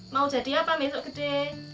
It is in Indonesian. mau jadi apa besok gede